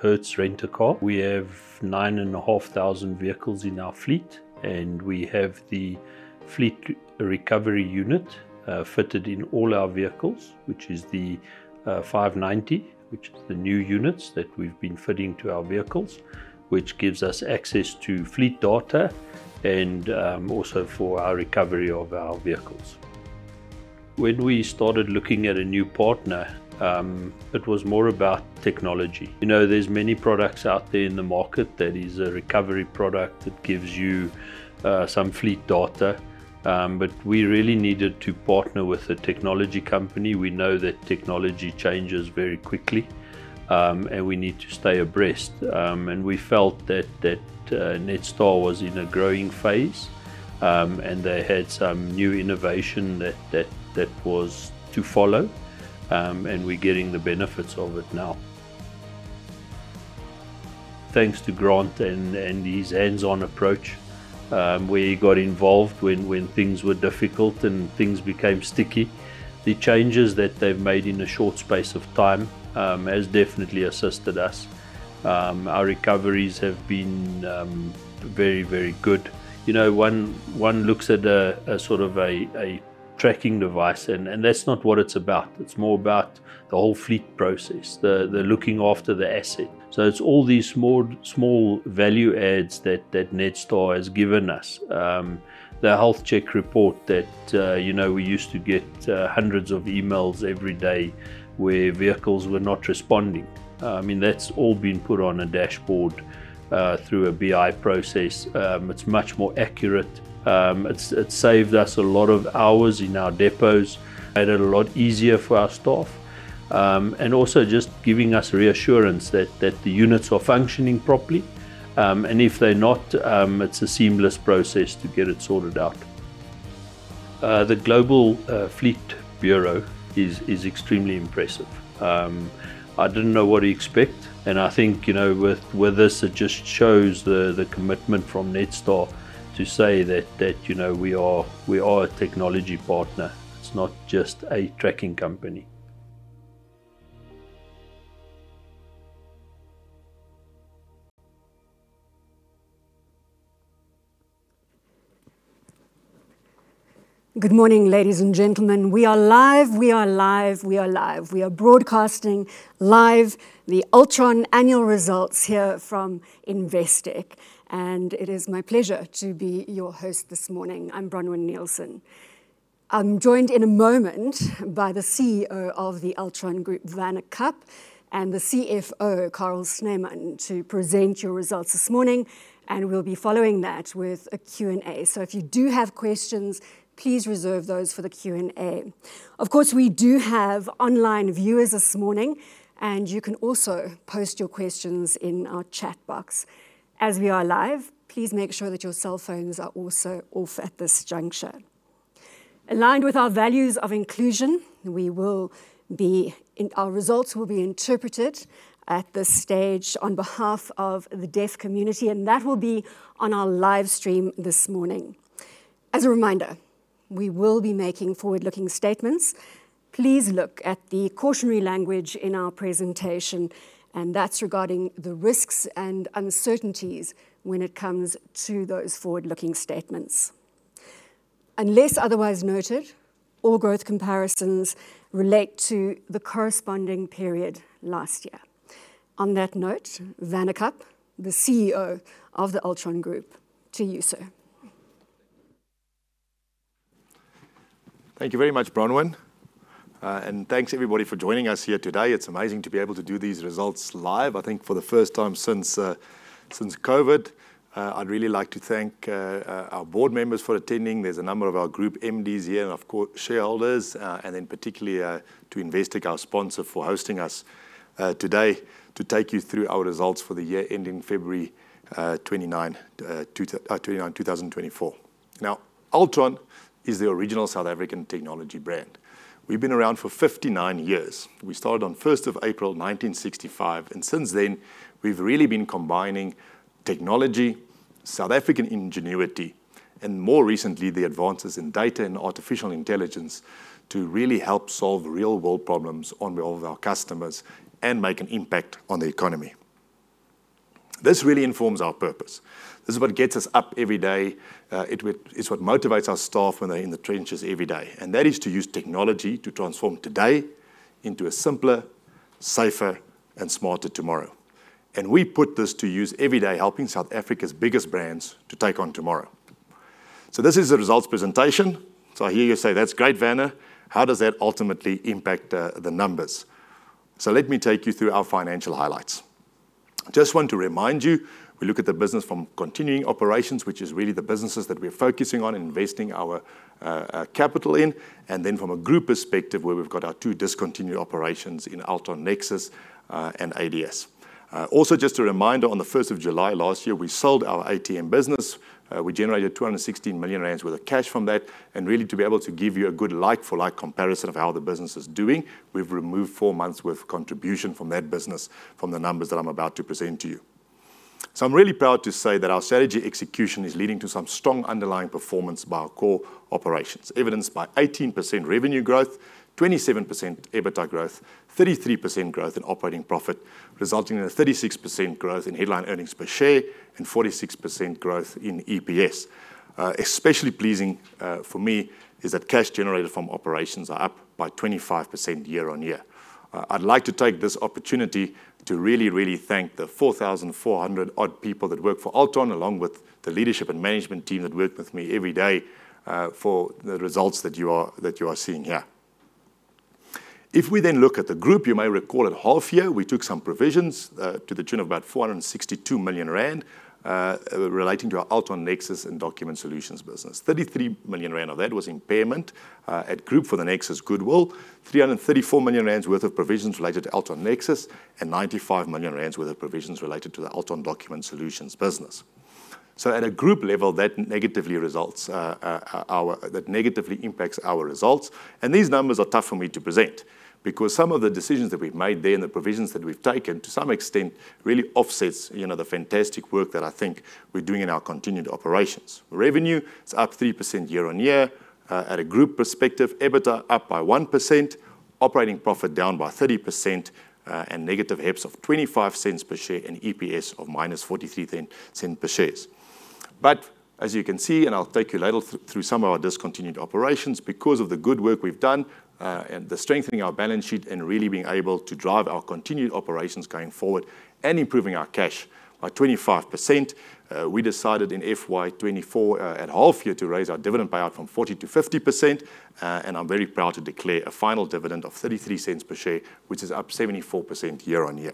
Hertz Rent-A-Car. We have 9,500 vehicles in our fleet, and we have the fleet recovery unit fitted in all our vehicles, which is the 590, which is the new units that we've been fitting to our vehicles, which gives us access to fleet data and also for our recovery of our vehicles. When we started looking at a new partner, it was more about technology. You know, there's many products out there in the market that is a recovery product that gives you some fleet data. But we really needed to partner with a technology company. We know that technology changes very quickly, and we need to stay abreast. And we felt that Netstar was in a growing phase, and they had some new innovation that was to follow. And we're getting the benefits of it now. Thanks to Grant and his hands-on approach, where he got involved when things were difficult, and things became sticky. The changes that they've made in a short space of time has definitely assisted us. Our recoveries have been very, very good. You know, one looks at a sort of a tracking device, and that's not what it's about. It's more about the whole fleet process, the looking after the asset. So it's all these small, small value adds that Netstar has given us. The health check report that, you know, we used to get, hundreds of emails every day where vehicles were not responding. I mean, that's all been put on a dashboard through a BI process. It's much more accurate. It's saved us a lot of hours in our depots, made it a lot easier for our staff. And also just giving us reassurance that the units are functioning properly, and if they're not, it's a seamless process to get it sorted out. The Global Fleet Bureau is extremely impressive. I didn't know what to expect, and I think, you know, with this, it just shows the commitment from Netstar to say that, you know, we are a technology partner. It's not just a tracking company. Good morning, ladies and gentlemen. We are live. We are live. We are live. We are broadcasting live the Altron annual results here from Investec, and it is my pleasure to be your host this morning. I'm Bronwyn Nielsen. I'm joined in a moment by the CEO of the Altron Group, Werner Kapp, and the CFO, Carel Snyman, to present your results this morning, and we'll be following that with a Q&A. So if you do have questions, please reserve those for the Q&A. Of course, we do have online viewers this morning, and you can also post your questions in our chat box. As we are live, please make sure that your cell phones are also off at this juncture. Aligned with our values of inclusion, we will be in... Our results will be interpreted at this stage on behalf of the deaf community, and that will be on our live stream this morning. As a reminder, we will be making forward-looking statements. Please look at the cautionary language in our presentation, and that's regarding the risks and uncertainties when it comes to those forward-looking statements. Unless otherwise noted, all growth comparisons relate to the corresponding period last year. On that note, Werner Kapp, the CEO of the Altron Group, to you, sir. Thank you very much, Bronwyn. And thanks everybody for joining us here today. It's amazing to be able to do these results live, I think, for the first time since COVID. I'd really like to thank our board members for attending. There's a number of our group MDs here, and, of course, shareholders, and then particularly to Investec, our sponsor, for hosting us today to take you through our results for the year ending February 29, 2024. Now, Altron is the original South African technology brand. We've been around for 59 years. We started on April 1, 1965, and since then, we've really been combining technology, South African ingenuity, and more recently, the advances in data and artificial intelligence, to really help solve real-world problems on behalf of our customers and make an impact on the economy. This really informs our purpose. This is what gets us up every day. It's what motivates our staff when they're in the trenches every day, and that is to use technology to transform today into a simpler, safer, and smarter tomorrow. We put this to use every day, helping South Africa's biggest brands to take on tomorrow. This is the results presentation. I hear you say, "That's great, Werner. How does that ultimately impact the numbers?" Let me take you through our financial highlights. Just want to remind you, we look at the business from continuing operations, which is really the businesses that we're focusing on and investing our capital in, and then from a group perspective, where we've got our two discontinued operations in Altron Nexus and ADS. Also, just a reminder, on the first of July last year, we sold our ATM business. We generated 216 million rand worth of cash from that, and really, to be able to give you a good like for like comparison of how the business is doing, we've removed four months worth of contribution from that business from the numbers that I'm about to present to you.... So I'm really proud to say that our strategy execution is leading to some strong underlying performance by our core operations, evidenced by 18% revenue growth, 27% EBITDA growth, 33% growth in operating profit, resulting in a 36% growth in Headline Earnings Per Share and 46% growth in EPS. Especially pleasing for me is that cash generated from operations are up by 25% year-on-year. I'd like to take this opportunity to really, really thank the 4,400-odd people that work for Altron, along with the leadership and management team that work with me every day, for the results that you are seeing here. If we then look at the group, you may recall at half year, we took some provisions to the tune of about 462 million rand relating to our Altron Nexus and Document Solutions business. 33 million rand of that was impairment at group for the Nexus goodwill, 334 million worth of provisions related to Altron Nexus, and 95 million worth of provisions related to the Altron Document Solutions business. So at a group level, that negatively results, that negatively impacts our results, and these numbers are tough for me to present, because some of the decisions that we've made there and the provisions that we've taken, to some extent, really offsets, you know, the fantastic work that I think we're doing in our continued operations. Revenue is up 3% year-on-year. At a group perspective, EBITDA up by 1%, operating profit down by 30%, and negative EPS of 25 ZAR cents per share, and EPS of minus 43 ZAR cents per share. But as you can see, and I'll take you a little through some of our discontinued operations, because of the good work we've done, and the strengthening our balance sheet and really being able to drive our continued operations going forward and improving our cash by 25%, we decided in FY 2024, at half year to raise our dividend payout from 40% - 50%. And I'm very proud to declare a final dividend of 33 ZAR cents per share, which is up 74% year-on-year.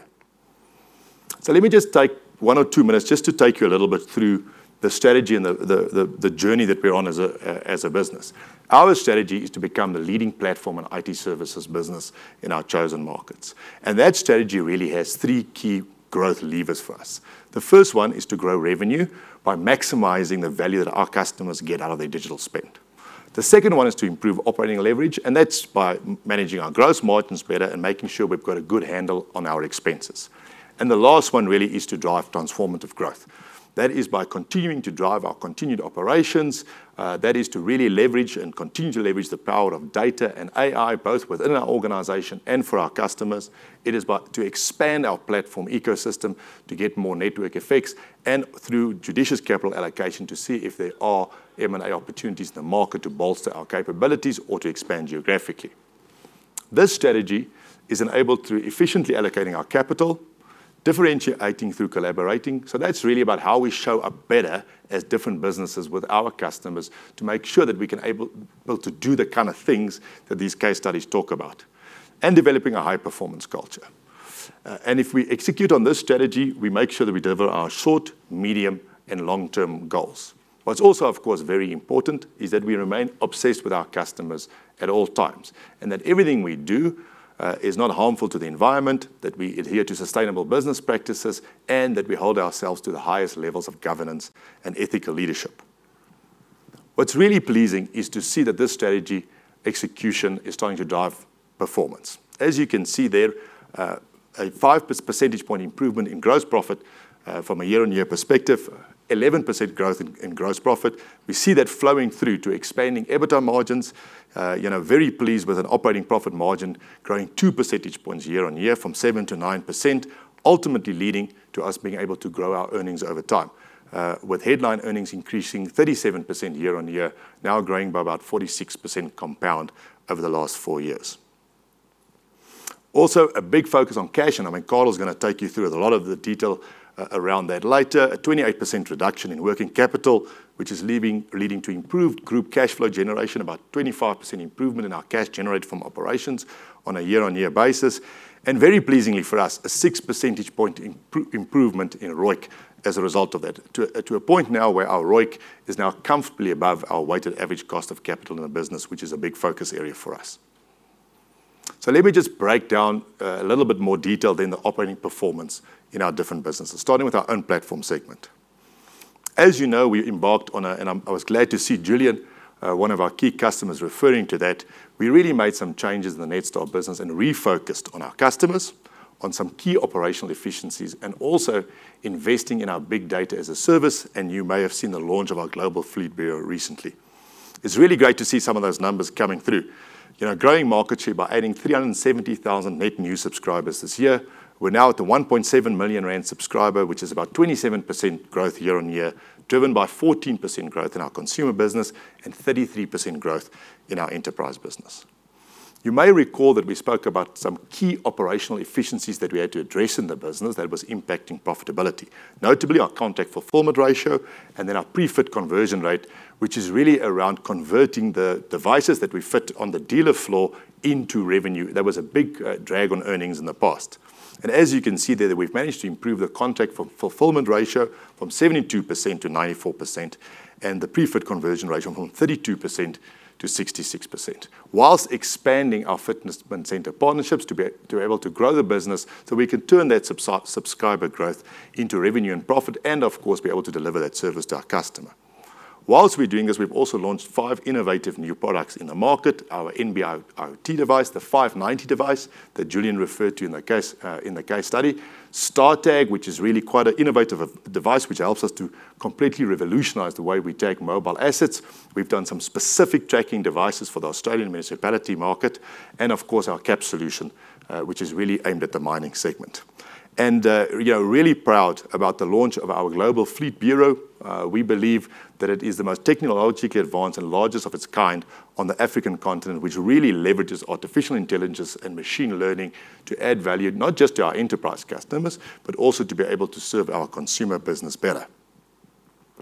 So let me just take one or two minutes just to take you a little bit through the strategy and the journey that we're on as a business. Our strategy is to become the leading platform and IT services business in our chosen markets, and that strategy really has three key growth levers for us. The first one is to grow revenue by maximizing the value that our customers get out of their digital spend. The second one is to improve operating leverage, and that's by managing our gross margins better and making sure we've got a good handle on our expenses. The last one really is to drive transformative growth. That is by continuing to drive our continued operations, that is, to really leverage and continue to leverage the power of data and AI, both within our organization and for our customers. It is by to expand our platform ecosystem to get more network effects and through judicious capital allocation, to see if there are M&A opportunities in the market to bolster our capabilities or to expand geographically. This strategy is enabled through efficiently allocating our capital, differentiating through collaborating. So that's really about how we show up better as different businesses with our customers to make sure that we can able to do the kind of things that these case studies talk about, and developing a high-performance culture. And if we execute on this strategy, we make sure that we deliver our short, medium, and long-term goals. What's also, of course, very important is that we remain obsessed with our customers at all times, and that everything we do, is not harmful to the environment, that we adhere to sustainable business practices, and that we hold ourselves to the highest levels of governance and ethical leadership. What's really pleasing is to see that this strategy execution is starting to drive performance. As you can see there, a five percentage point improvement in gross profit, from a year-on-year perspective, 11% growth in gross profit. We see that flowing through to expanding EBITDA margins. You know, very pleased with an operating profit margin growing two percentage points year-on-year from 7%-9%, ultimately leading to us being able to grow our earnings over time, with headline earnings increasing 37% year-on-year, now growing by about 46% compound over the last four years. Also, a big focus on cash, and I mean, Carel is gonna take you through a lot of the detail around that later. A 28% reduction in working capital, which is leading to improved group cash flow generation, about 25% improvement in our cash generated from operations on a year-on-year basis, and very pleasingly for us, a six percentage point improvement in ROIC as a result of that, to a point now where our ROIC is now comfortably above our weighted average cost of capital in the business, which is a big focus area for us. So let me just break down a little bit more detail than the operating performance in our different businesses, starting with our own platform segment. As you know, we embarked on a... And I was glad to see Julian, one of our key customers, referring to that. We really made some changes in the Netstar business and refocused on our customers, on some key operational efficiencies, and also investing in our big data as a service, and you may have seen the launch of our Global Fleet Bureau recently. It's really great to see some of those numbers coming through. You know, growing market share by adding 370,000 net new subscribers this year. We're now at the 1.7 million subscribers, which is about 27% growth year-over-year, driven by 14% growth in our consumer business and 33% growth in our enterprise business. You may recall that we spoke about some key operational efficiencies that we had to address in the business that was impacting profitability, notably our contract fulfillment ratio and then our pre-fit conversion rate, which is really around converting the devices that we fit on the dealer floor into revenue. That was a big drag on earnings in the past. And as you can see there, that we've managed to improve the contract fulfillment ratio from 72% - 94% and the pre-fit conversion ratio from 32% - 66%, while expanding our fitment center partnerships to be able to grow the business so we can turn that subscriber growth into revenue and profit, and of course, be able to deliver that service to our customer. While we're doing this, we've also launched five innovative new products in the market. Our NB-IoT device, the 590 device that Julian referred to in the case, in the case study. StarTag, which is really quite an innovative device, which helps us to completely revolutionize the way we track mobile assets. We've done some specific tracking devices for the Australian municipality market, and of course, our CAS solution, which is really aimed at the mining segment. We are really proud about the launch of our Global Fleet Bureau. We believe that it is the most technologically advanced and largest of its kind on the African continent, which really leverages artificial intelligence and machine learning to add value, not just to our enterprise customers, but also to be able to serve our consumer business better.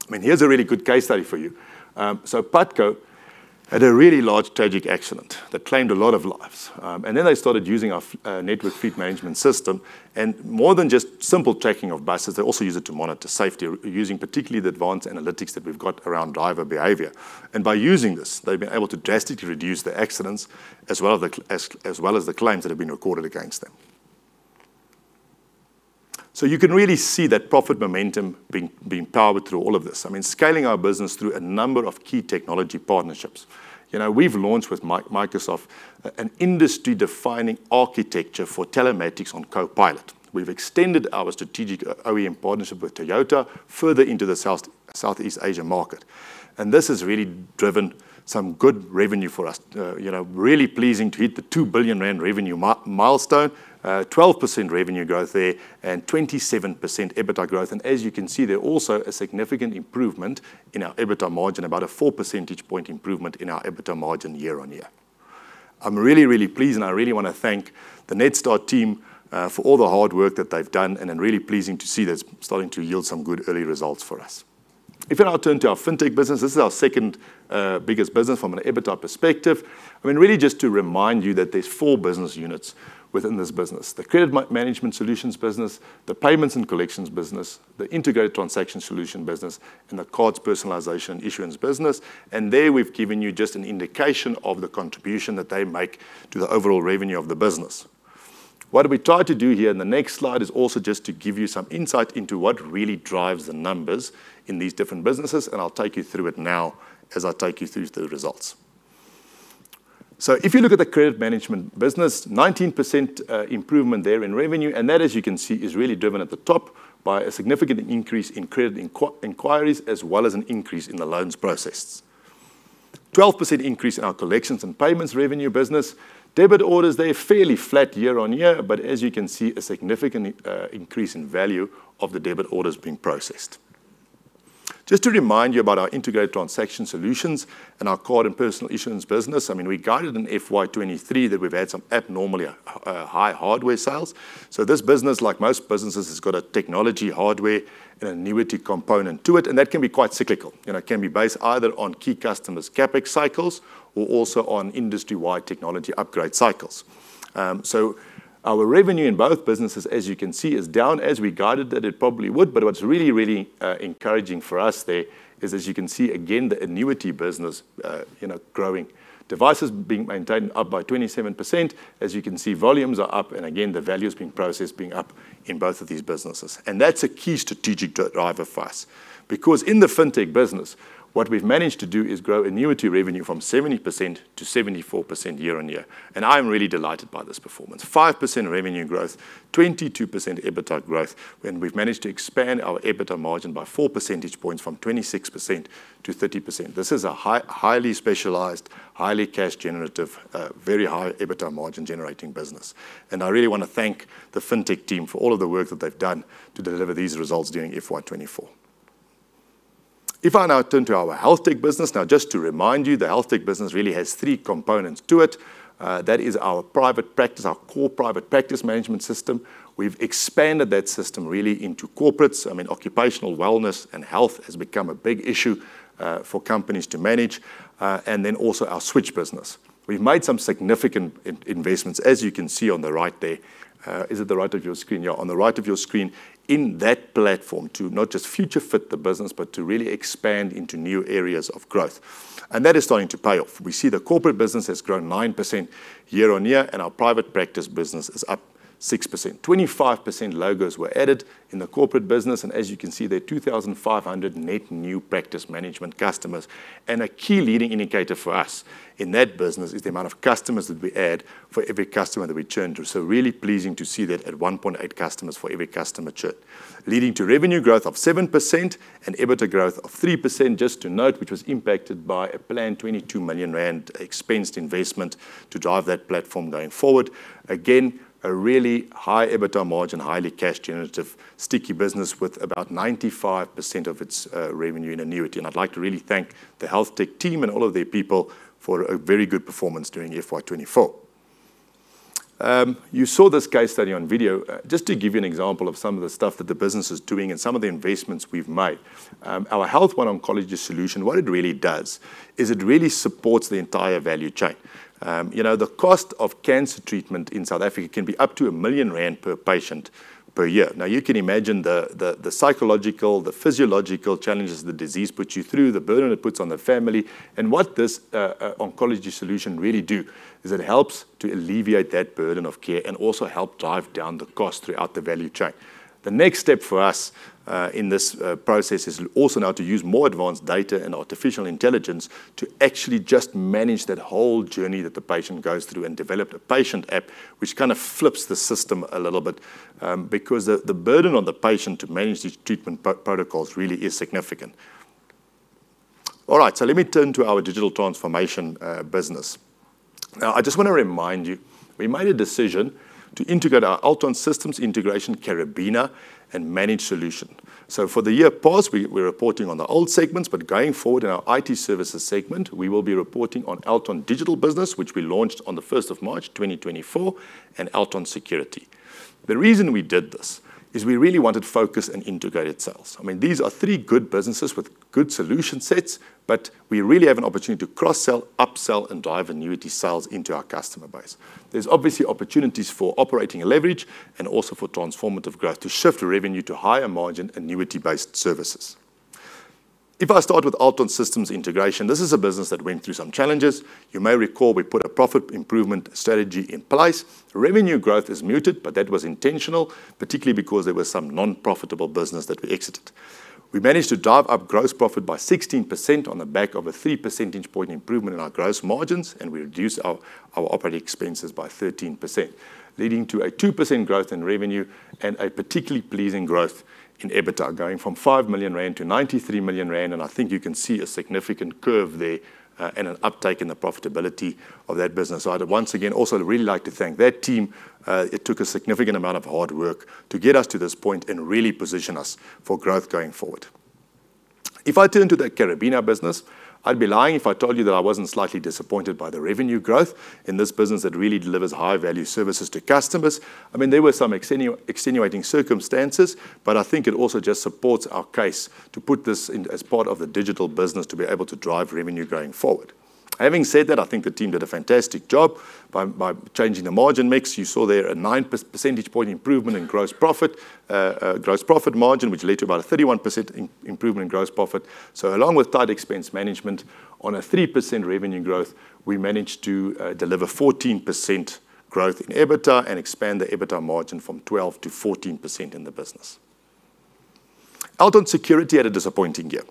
I mean, here's a really good case study for you. So Putco had a really large tragic accident that claimed a lot of lives. And then they started using our Netstar fleet management system, and more than just simple tracking of buses, they also use it to monitor safety, using particularly the advanced analytics that we've got around driver behavior. And by using this, they've been able to drastically reduce the accidents as well as the claims that have been recorded against them. So you can really see that profit momentum being powered through all of this. I mean, scaling our business through a number of key technology partnerships. You know, we've launched with Microsoft, an industry-defining architecture for telematics on Copilot. We've extended our strategic OEM partnership with Toyota further into the Southeast Asia market, and this has really driven some good revenue for us. You know, really pleasing to hit the 2 billion rand revenue milestone, 12% revenue growth there and 27% EBITDA growth. And as you can see, there also a significant improvement in our EBITDA margin, about a four percentage point improvement in our EBITDA margin year-on-year. I'm really, really pleased, and I really wanna thank the Netstar team, for all the hard work that they've done, and I'm really pleased to see that's starting to yield some good early results for us. If I now turn to our FinTech business, this is our second, biggest business from an EBITDA perspective. I mean, really just to remind you that there's four business units within this business: the Credit Management Solutions business, the Payments and Collections business, the Integrated Transaction Solution business, and the Cards Personalization and Issuance business. There, we've given you just an indication of the contribution that they make to the overall revenue of the business. What we try to do here in the next slide is also just to give you some insight into what really drives the numbers in these different businesses, and I'll take you through it now as I take you through to the results. If you look at the Credit Management business, 19% improvement there in revenue, and that, as you can see, is really driven at the top by a significant increase in credit inquiries, as well as an increase in the loans processed. 12% increase in our Collections and Payments revenue business. Debit orders, they're fairly flat year-on-year, but as you can see, a significant increase in value of the debit orders being processed. Just to remind you about our Integrated Transaction Solutions and our Card and Personal Issuance business, I mean, we guided in FY 2023 that we've had some abnormally high hardware sales. So this business, like most businesses, has got a technology, hardware, and annuity component to it, and that can be quite cyclical. You know, it can be based either on key customers' CapEx cycles or also on industry-wide technology upgrade cycles. So our revenue in both businesses, as you can see, is down as we guided that it probably would. But what's really, really encouraging for us there is, as you can see, again, the annuity business, you know, growing. Devices being maintained up by 27%. As you can see, volumes are up, and again, the value is being processed being up in both of these businesses. That's a key strategic driver for us. Because in the FinTech business, what we've managed to do is grow annuity revenue from 70% - 74% year-on-year. And I'm really delighted by this performance. 5% revenue growth, 22% EBITDA growth, and we've managed to expand our EBITDA margin by four percentage points from 26% - 30%. This is a highly specialized, highly cash generative, very high EBITDA margin-generating business. And I really wanna thank the FinTech team for all of the work that they've done to deliver these results during FY 2024. If I now turn to our HealthTech business, now, just to remind you, the HealthTech business really has three components to it. That is our private practice, our core private practice management system. We've expanded that system really into corporates. I mean, occupational wellness and health has become a big issue for companies to manage, and then also our Switch business. We've made some significant investments, as you can see on the right there. Is it the right of your screen? Yeah, on the right of your screen, in that platform to not just future-fit the business, but to really expand into new areas of growth. And that is starting to pay off. We see the corporate business has grown 9% year-on-year, and our private practice business is up 6%. 25% logos were added in the corporate business, and as you can see, there are 2,500 net new practice management customers. And a key leading indicator for us in that business is the amount of customers that we add for every customer that we churn through. So really pleasing to see that at 1.8 customers for every customer churn. Leading to revenue growth of 7% and EBITDA growth of 3%, just to note, which was impacted by a planned 22 million rand expensed investment to drive that platform going forward. Again, a really high EBITDA margin, highly cash generative, sticky business with about 95% of its revenue in annuity. And I'd like to really thank the HealthTech team and all of their people for a very good performance during FY 2024. You saw this case study on video. Just to give you an example of some of the stuff that the business is doing and some of the investments we've made. Our HealthOne Oncology solution, what it really does is it really supports the entire value chain. You know, the cost of cancer treatment in South Africa can be up to 1 million rand per patient per year. Now, you can imagine the psychological, the physiological challenges the disease puts you through, the burden it puts on the family. And what this oncology solution really do is it helps to alleviate that burden of care and also help drive down the cost throughout the value chain. The next step for us in this process is also now to use more advanced data and artificial intelligence to actually just manage that whole journey that the patient goes through and develop a patient app, which kind of flips the system a little bit. Because the burden on the patient to manage these treatment protocols really is significant. All right, so let me turn to our digital transformation business. Now, I just want to remind you, we made a decision to integrate our Altron Systems Integration, Karabina, and Managed Solutions. So for the past year, we're reporting on the old segments, but going forward in our IT services segment, we will be reporting on Altron Digital Business, which we launched on the 1st of March 2024, and Altron Security. The reason we did this is we really wanted focus and integrated sales. I mean, these are three good businesses with good solution sets, but we really have an opportunity to cross-sell, upsell, and drive annuity sales into our customer base. There's obviously opportunities for operating leverage and also for transformative growth to shift the revenue to higher margin annuity-based services. If I start with Altron Systems Integration, this is a business that went through some challenges. You may recall we put a profit improvement strategy in place. Revenue growth is muted, but that was intentional, particularly because there were some non-profitable business that we exited. We managed to drive up gross profit by 16% on the back of a three percentage point improvement in our gross margins, and we reduced our operating expenses by 13%, leading to a 2% growth in revenue and a particularly pleasing growth in EBITDA, going from 5 million rand to 93 million rand, and I think you can see a significant curve there, and an uptake in the profitability of that business. So I'd, once again, also really like to thank that team. It took a significant amount of hard work to get us to this point and really position us for growth going forward. If I turn to the Karabina business, I'd be lying if I told you that I wasn't slightly disappointed by the revenue growth in this business that really delivers high-value services to customers. I mean, there were some extenuating circumstances, but I think it also just supports our case to put this in as part of the digital business to be able to drive revenue going forward. Having said that, I think the team did a fantastic job by changing the margin mix. You saw there a nine percentage point improvement in gross profit margin, which led to about a 31% improvement in gross profit. So along with tight expense management on a 3% revenue growth, we managed to deliver 14% growth in EBITDA and expand the EBITDA margin from 12%-14% in the business. Altron Security had a disappointing year.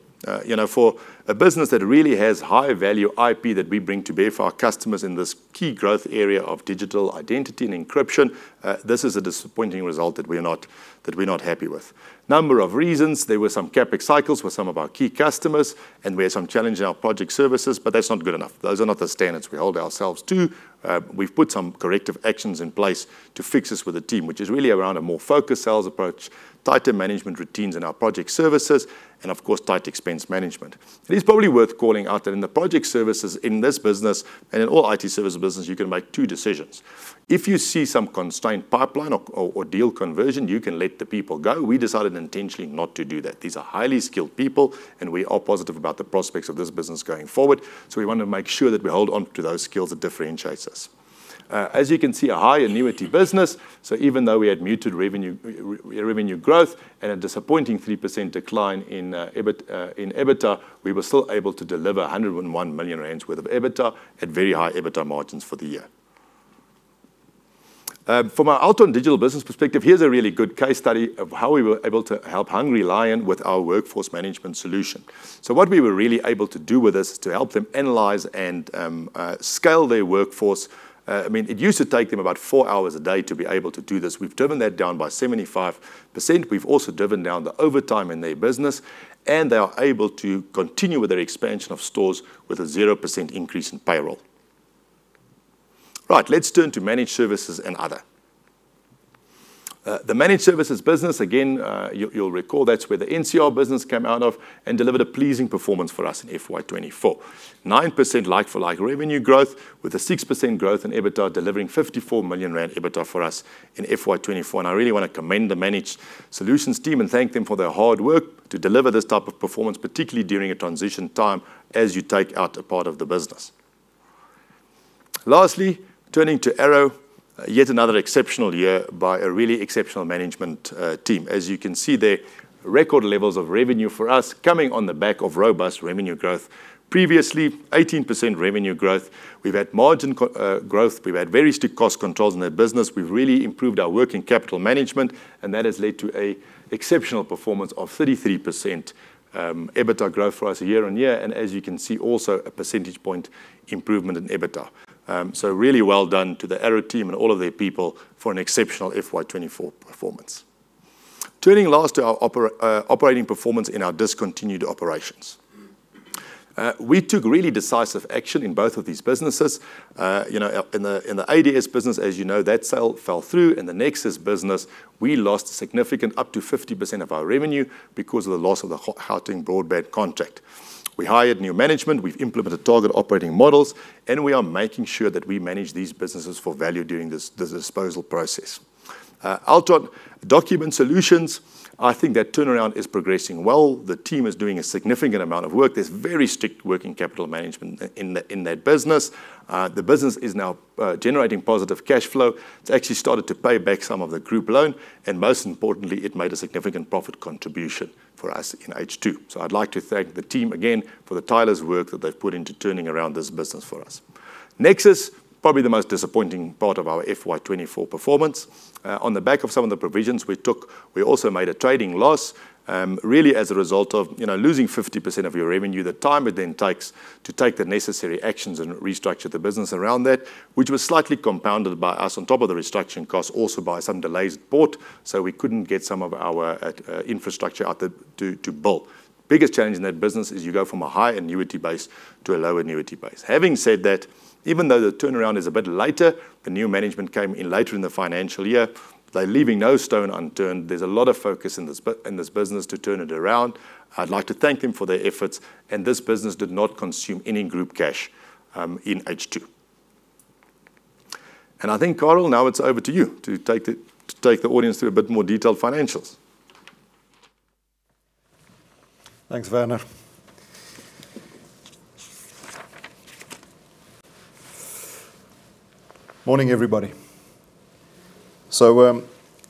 You know, for a business that really has high-value IP that we bring to bear for our customers in this key growth area of digital identity and encryption, this is a disappointing result that we're not happy with. Number of reasons: there were some CapEx cycles with some of our key customers, and we had some challenge in our project services, but that's not good enough. Those are not the standards we hold ourselves to. We've put some corrective actions in place to fix this with the team, which is really around a more focused sales approach, tighter management routines in our project services, and of course, tight expense management. It is probably worth calling out that in the project services in this business and in all IT services business, you can make two decisions. If you see some constrained pipeline or, or deal conversion, you can let the people go. We decided intentionally not to do that. These are highly skilled people, and we are positive about the prospects of this business going forward, so we want to make sure that we hold on to those skills that differentiates us. As you can see, a high annuity business, so even though we had muted revenue growth and a disappointing 3% decline in EBIT, in EBITDA, we were still able to deliver 101 million rand worth of EBITDA at very high EBITDA margins for the year. From an Altron Digital Business perspective, here's a really good case study of how we were able to help Hungry Lion with our workforce management solution. So what we were really able to do with this is to help them analyze and scale their workforce. I mean, it used to take them about four hours a day to be able to do this. We've driven that down by 75%. We've also driven down the overtime in their business, and they are able to continue with their expansion of stores with a 0% increase in payroll. Right, let's turn to managed services and other. The managed services business, again, you'll recall that's where the NCR business came out of and delivered a pleasing performance for us in FY 2024. 9% like-for-like revenue growth with a 6% growth in EBITDA, delivering 54 million rand EBITDA for us in FY 2024, and I really want to commend the managed solutions team and thank them for their hard work to deliver this type of performance, particularly during a transition time as you take out a part of the business. Lastly, turning to Arrow, yet another exceptional year by a really exceptional management team. As you can see, the record levels of revenue for us coming on the back of robust revenue growth. Previously, 18% revenue growth. We've had margin growth. We've had very strict cost controls in that business. We've really improved our working capital management, and that has led to an exceptional performance of 33% EBITDA growth for us year-on-year, and as you can see, also a percentage point improvement in EBITDA. So really well done to the Arrow team and all of their people for an exceptional FY 2024 performance. Turning last to our operating performance in our discontinued operations. We took really decisive action in both of these businesses. You know, in the ADS business, as you know, that sale fell through. In the Nexus business, we lost significant, up to 50% of our revenue because of the loss of the Houghton Broadband contract. We hired new management, we've implemented target operating models, and we are making sure that we manage these businesses for value during this, the disposal process. Altron Document Solutions, I think that turnaround is progressing well. The team is doing a significant amount of work. There's very strict working capital management in that, in that business. The business is now generating positive cash flow. It's actually started to pay back some of the group loan, and most importantly, it made a significant profit contribution for us in H2. So I'd like to thank the team again for the tireless work that they've put into turning around this business for us. Nexus, probably the most disappointing part of our FY 2024 performance. On the back of some of the provisions we took, we also made a trading loss, really, as a result of, you know, losing 50% of your revenue, the time it then takes to take the necessary actions and restructure the business around that, which was slightly compounded by us on top of the restructuring costs, also by some delays brought, so we couldn't get some of our IT infrastructure out the door to build. Biggest challenge in that business is you go from a high annuity base to a low annuity base. Having said that, even though the turnaround is a bit later, the new management came in later in the financial year. They're leaving no stone unturned. There's a lot of focus in this business to turn it around. I'd like to thank them for their efforts, and this business did not consume any group cash in H2. I think, Carel, now it's over to you to take the audience through a bit more detailed financials. Thanks, Werner. Morning, everybody. So,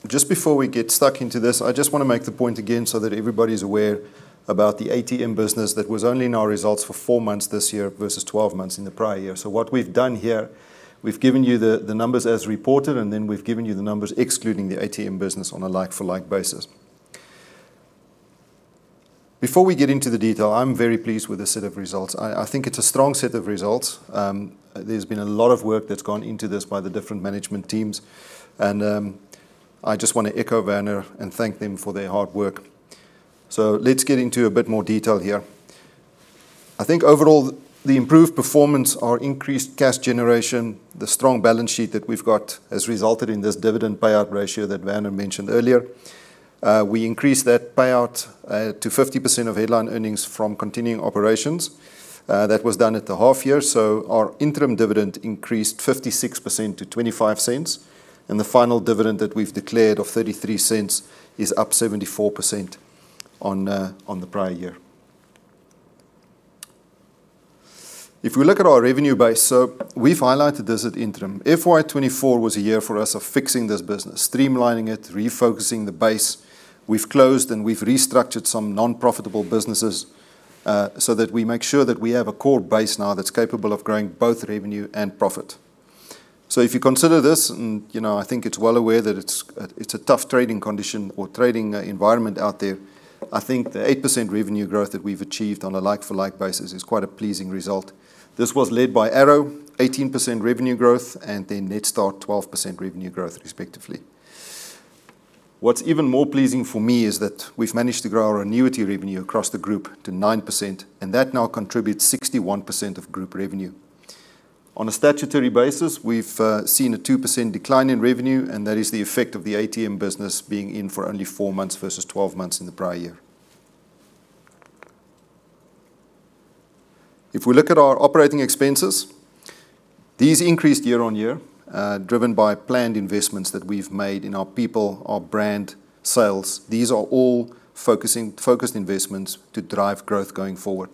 just before we get stuck into this, I just want to make the point again so that everybody's aware about the ATM business that was only in our results for four months this year versus 12 months in the prior year. So what we've done here, we've given you the, the numbers as reported, and then we've given you the numbers excluding the ATM business on a like-for-like basis. Before we get into the detail, I'm very pleased with this set of results. I, I think it's a strong set of results. There's been a lot of work that's gone into this by the different management teams, and I just want to echo Werner and thank them for their hard work. So let's get into a bit more detail here. I think overall, the improved performance, our increased cash generation, the strong balance sheet that we've got, has resulted in this dividend payout ratio that Werner mentioned earlier. We increased that payout to 50% of headline earnings from continuing operations. That was done at the half year, so our interim dividend increased 56% to 0.25, and the final dividend that we've declared of 0.33 is up 74% on the prior year. If we look at our revenue base, so we've highlighted this at interim. FY 2024 was a year for us of fixing this business, streamlining it, refocusing the base. We've closed and we've restructured some non-profitable businesses, so that we make sure that we have a core base now that's capable of growing both revenue and profit. So if you consider this, and, you know, I think it's well aware that it's a tough trading condition or trading environment out there, I think the 8% revenue growth that we've achieved on a like-for-like basis is quite a pleasing result. This was led by Arrow, 18% revenue growth, and then Netstar, 12% revenue growth, respectively. What's even more pleasing for me is that we've managed to grow our annuity revenue across the group to 9%, and that now contributes 61% of group revenue. On a statutory basis, we've seen a 2% decline in revenue, and that is the effect of the ATM business being in for only four months versus 12 months in the prior year. If we look at our operating expenses, these increased year-on-year, driven by planned investments that we've made in our people, our brand, sales. These are all focused investments to drive growth going forward.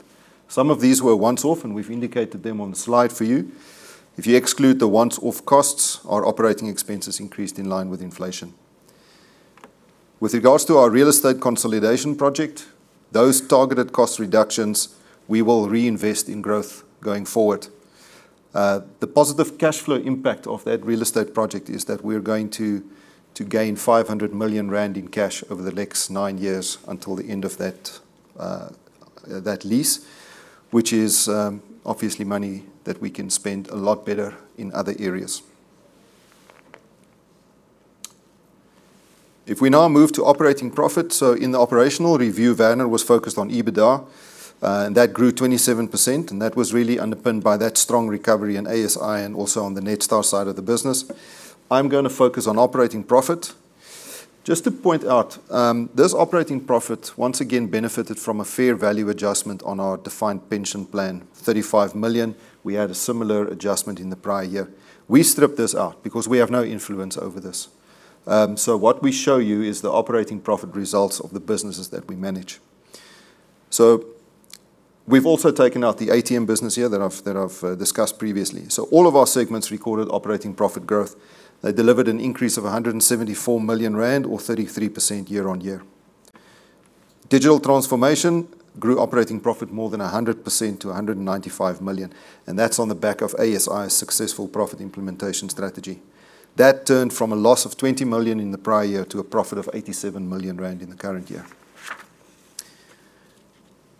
Some of these were once-off, and we've indicated them on the slide for you. If you exclude the once-off costs, our operating expenses increased in line with inflation. With regards to our real estate consolidation project, those targeted cost reductions, we will reinvest in growth going forward. The positive cash flow impact of that real estate project is that we're going to gain 500 million rand in cash over the next nine years until the end of that lease, which is obviously money that we can spend a lot better in other areas. If we now move to operating profit, so in the operational review, Werner was focused on EBITDA, and that grew 27%, and that was really underpinned by that strong recovery in ASI and also on the Netstar side of the business. I'm going to focus on operating profit. Just to point out, this operating profit once again benefited from a fair value adjustment on our defined pension plan, 35 million. We had a similar adjustment in the prior year. We strip this out because we have no influence over this. So what we show you is the operating profit results of the businesses that we manage. So we've also taken out the ATM business here that I've discussed previously. So all of our segments recorded operating profit growth. They delivered an increase of 174 million rand or 33% year-on-year. Digital transformation grew operating profit more than 100% to 195 million, and that's on the back of ASI's successful profit implementation strategy. That turned from a loss of 20 million in the prior year to a profit of 87 million rand in the current year.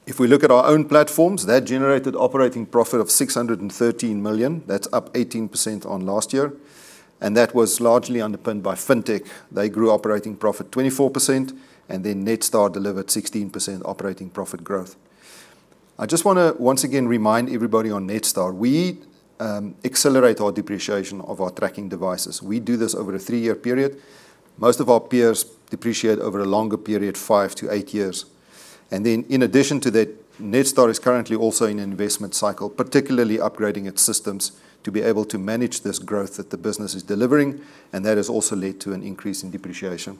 If we look at our own platforms, that generated operating profit of 613 million. That's up 18% on last year, and that was largely underpinned by Fintech. They grew operating profit 24%, and then Netstar delivered 16% operating profit growth. I just want to once again remind everybody on Netstar, we accelerate our depreciation of our tracking devices. We do this over a three-year period. Most of our peers depreciate over a longer period, five to eight years. Then, in addition to that, Netstar is currently also in an investment cycle, particularly upgrading its systems to be able to manage this growth that the business is delivering, and that has also led to an increase in depreciation.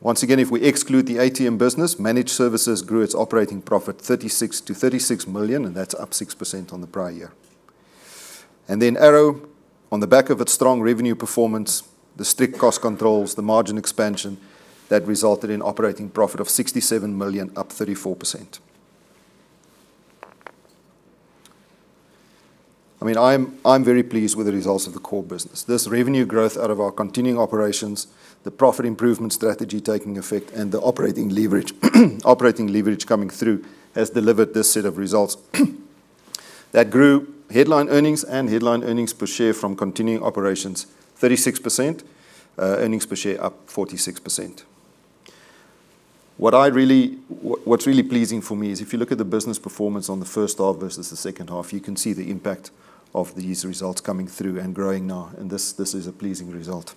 Once again, if we exclude the ATM business, Managed Services grew its operating profit 36-36 million, and that's up 6% on the prior year. Then Arrow, on the back of its strong revenue performance, the strict cost controls, the margin expansion, that resulted in operating profit of 67 million, up 34%. I mean, I'm, I'm very pleased with the results of the core business. This revenue growth out of our continuing operations, the profit improvement strategy taking effect, and the operating leverage, operating leverage coming through, has delivered this set of results that grew headline earnings and headline earnings per share from continuing operations, 36%, earnings per share up 46%. What's really pleasing for me is if you look at the business performance on the first half versus the second half, you can see the impact of these results coming through and growing now, and this is a pleasing result.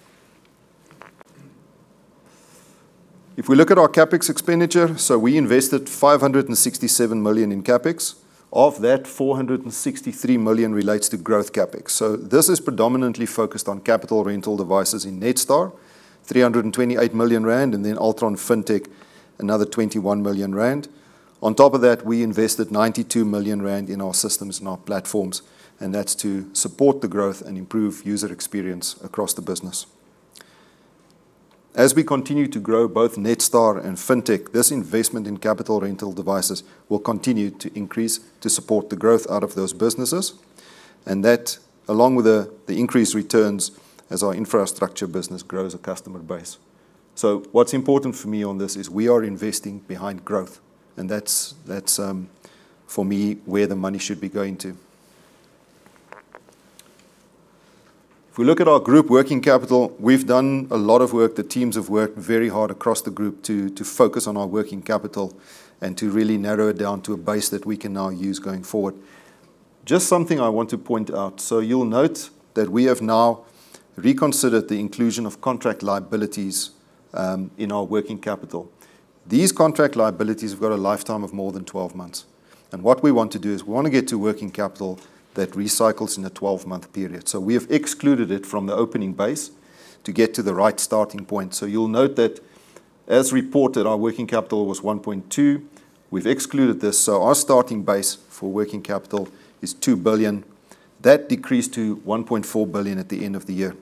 If we look at our CapEx expenditure, so we invested 567 million in CapEx. Of that, 463 million relates to growth CapEx. So this is predominantly focused on capital rental devices in Netstar, 328 million rand, and then Altron FinTech, another 21 million rand. On top of that, we invested 92 million rand in our systems and our platforms, and that's to support the growth and improve user experience across the business. As we continue to grow both Netstar and FinTech, this investment in capital rental devices will continue to increase to support the growth out of those businesses, and that, along with the increased returns as our infrastructure business grows our customer base. So what's important for me on this is we are investing behind growth, and that's, that's, for me, where the money should be going to. If we look at our group working capital, we've done a lot of work. The teams have worked very hard across the group to focus on our working capital and to really narrow it down to a base that we can now use going forward. Just something I want to point out: So you'll note that we have now reconsidered the inclusion of contract liabilities, in our working capital. These contract liabilities have got a lifetime of more than 12 months, and what we want to do is we want to get to working capital that recycles in a 12-month period. So we have excluded it from the opening base to get to the right starting point. So you'll note that as reported, our working capital was 1.2 billion. We've excluded this, so our starting base for working capital is 2 billion. That decreased to 1.4 billion at the end of the year.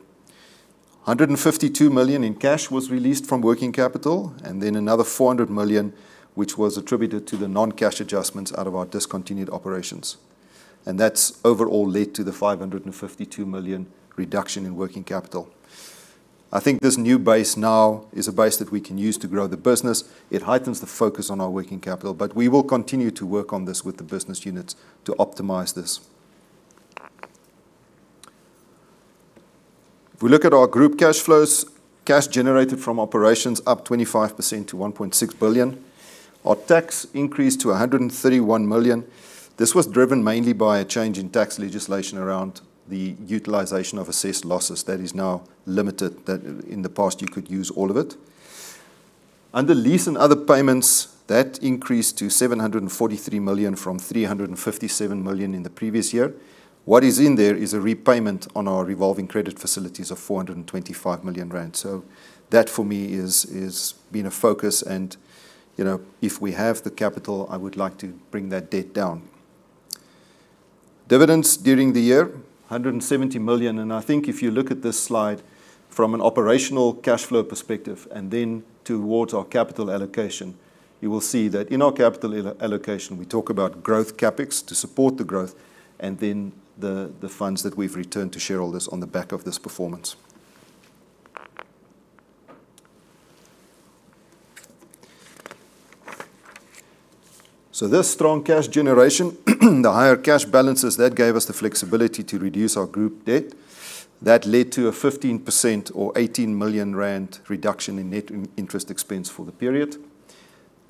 152 million in cash was released from working capital, and then another 400 million, which was attributed to the non-cash adjustments out of our discontinued operations. That's overall led to the 552 million reduction in working capital. I think this new base now is a base that we can use to grow the business. It heightens the focus on our working capital, but we will continue to work on this with the business units to optimize this. If we look at our group cash flows, cash generated from operations up 25% - 1.6 billion. Our tax increased to 131 million. This was driven mainly by a change in tax legislation around the utilization of assessed losses that is now limited, that in the past, you could use all of it. Under lease and other payments, that increased to 743 million from 357 million in the previous year. What is in there is a repayment on our revolving credit facilities of 425 million rand. So that, for me, has been a focus and, you know, if we have the capital, I would like to bring that debt down. Dividends during the year, 170 million, and I think if you look at this slide from an operational cash flow perspective and then towards our capital allocation, you will see that in our capital allocation, we talk about growth CapEx to support the growth and then the, the funds that we've returned to shareholders on the back of this performance. So this strong cash generation, the higher cash balances, that gave us the flexibility to reduce our group debt. That led to a 15% or 18 million rand reduction in net interest expense for the period.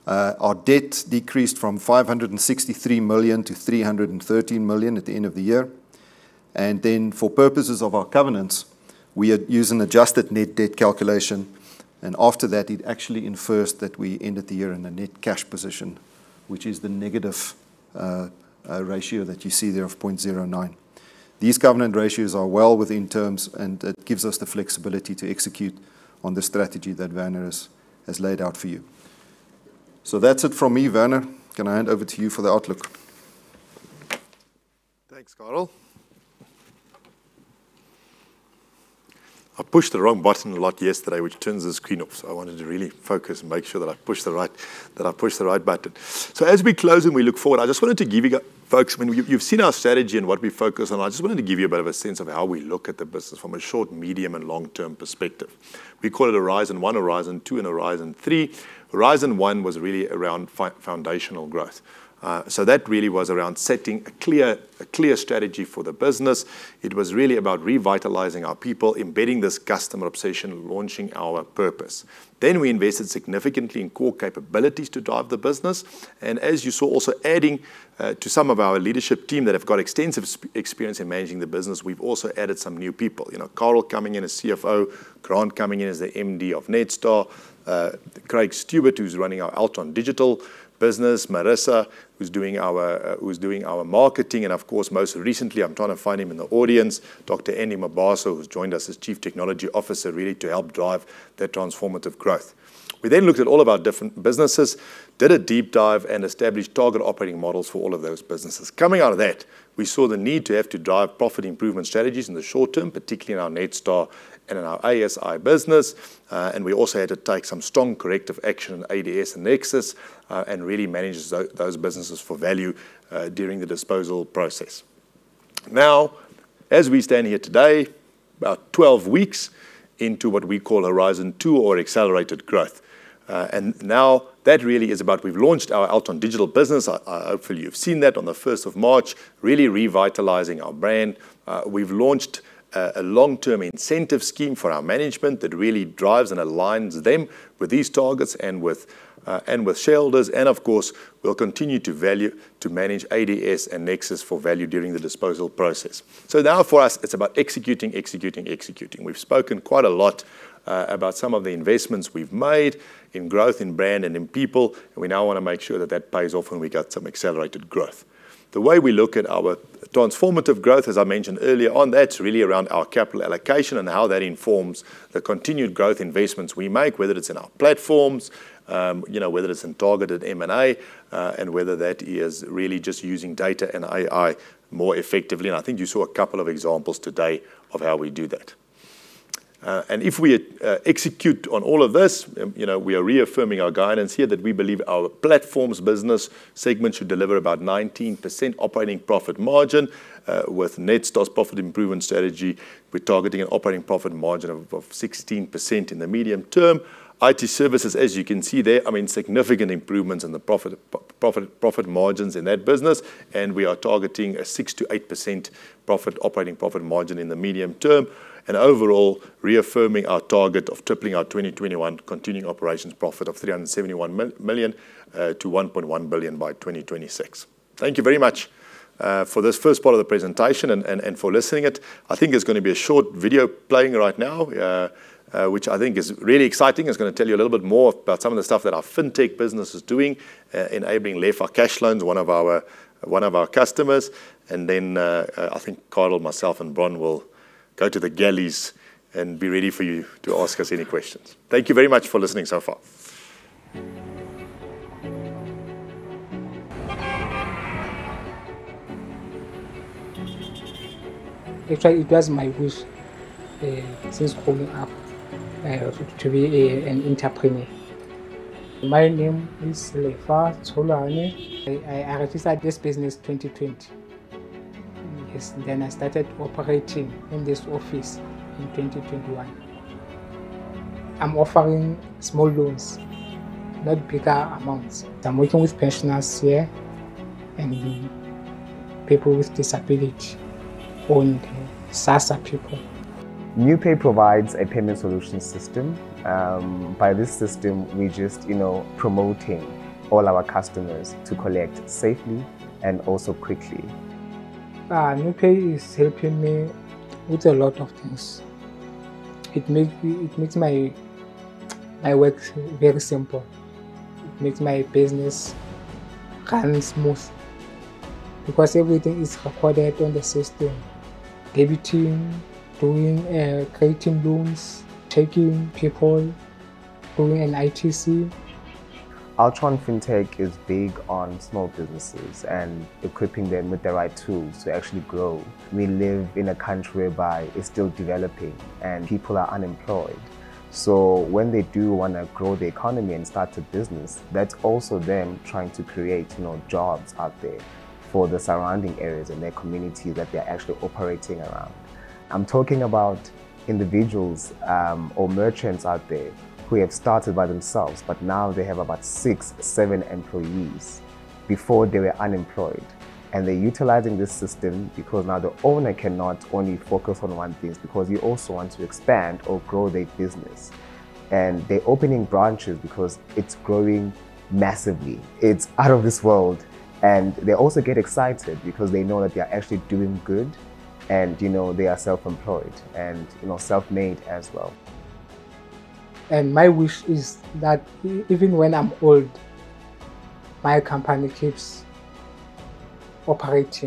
Our debt decreased from 563 million - 313 million at the end of the year. Then for purposes of our covenants, we are using adjusted net debt calculation, and after that, it actually infers that we ended the year in a net cash position, which is the negative ratio that you see there of 0.09. These covenant ratios are well within terms, and it gives us the flexibility to execute on the strategy that Werner has laid out for you. So that's it from me. Werner, can I hand over to you for the outlook? Thanks, Carel. I pushed the wrong button a lot yesterday, which turns the screen off, so I wanted to really focus and make sure that I pushed the right button. So as we close and we look forward, I just wanted to give you... Folks, I mean, you've seen our strategy and what we focus on. I just wanted to give you a bit of a sense of how we look at the business from a short, medium, and long-term perspective. We call it Horizon One, Horizon Two, and Horizon Three. Horizon One was really around foundational growth. So that really was around setting a clear strategy for the business. It was really about revitalizing our people, embedding this customer obsession, launching our purpose. Then we invested significantly in core capabilities to drive the business, and as you saw, also adding to some of our leadership team that have got extensive experience in managing the business. We've also added some new people. You know, Carel coming in as CFO, Grant coming in as the MD of Netstar, Craig Stewart, who's running our Altron Digital Business, Marisa, who's doing our, who's doing our marketing, and of course, most recently, I'm trying to find him in the audience, Dr. Andy Mabaso, who's joined us as Chief Technology Officer, really to help drive that transformative growth. We then looked at all of our different businesses, did a deep dive, and established target operating models for all of those businesses. Coming out of that, we saw the need to have to drive profit improvement strategies in the short term, particularly in our Netstar and in our ASI business. And we also had to take some strong corrective action, ADS and Nexus, and really manage those businesses for value during the disposal process. Now, as we stand here today, about 12 weeks into what we call Horizon 2 or accelerated growth. And now that really is about we've launched our Altron Digital Business. I hopefully you've seen that on the first of March, really revitalizing our brand. We've launched a long-term incentive scheme for our management that really drives and aligns them with these targets and with and with shareholders. And of course, we'll continue to value to manage ADS and Nexus for value during the disposal process. So now for us, it's about executing, executing, executing. We've spoken quite a lot about some of the investments we've made in growth, in brand, and in people, and we now wanna make sure that that pays off and we get some accelerated growth. The way we look at our transformative growth, as I mentioned earlier on, that's really around our capital allocation and how that informs the continued growth investments we make, whether it's in our platforms, you know, whether it's in targeted M&A, and whether that is really just using data and AI more effectively. I think you saw a couple of examples today of how we do that. And if we execute on all of this, you know, we are reaffirming our guidance here that we believe our platforms business segment should deliver about 19% operating profit margin with net profit improvement strategy. We're targeting an operating profit margin of 16% in the medium term. IT services, as you can see there, I mean, significant improvements in the profit margins in that business, and we are targeting a 6%-8% operating profit margin in the medium term. And overall, reaffirming our target of tripling our 2021 continuing operations profit of 371 million to 1.1 billion by 2026. Thank you very much for this first part of the presentation and for listening it. I think it's gonna be a short video playing right now, which I think is really exciting. It's gonna tell you a little bit more about some of the stuff that our fintech business is doing, enabling Lefa Cash Loans, one of our, one of our customers. And then, I think Carel, myself, and Bronwyn will go to the galleys and be ready for you to ask us any questions. Thank you very much for listening so far. Actually, it was my wish since growing up to be an entrepreneur. My name is Lefa Tsholwane. I registered this business 2020. Yes, then I started operating in this office in 2021. I'm offering small loans, not bigger amounts. I'm working with pensioners here and people with disability, or SASSA people. NuPay provides a payment solution system. By this system, we just, you know, promoting all our customers to collect safely and also quickly. NuPay is helping me with a lot of things. It makes my work very simple. It makes my business run smooth because everything is recorded on the system: debiting, doing, creating loans, checking people, doing an ITC. Altron FinTech is big on small businesses and equipping them with the right tools to actually grow. We live in a country whereby it's still developing and people are unemployed. So when they do wanna grow the economy and start a business, that's also them trying to create, you know, jobs out there for the surrounding areas and their community that they're actually operating around. I'm talking about individuals, or merchants out there who have started by themselves, but now they have about six, seven employees. Before, they were unemployed, and they're utilizing this system because now the owner cannot only focus on one things, because you also want to expand or grow their business. And they're opening branches because it's growing massively. It's out of this world, and they also get excited because they know that they are actually doing good and, you know, they are self-employed and, you know, self-made as well. My wish is that even when I'm old, my company keeps operating.